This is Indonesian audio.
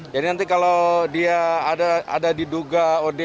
jadi nanti kalau dia ada diduga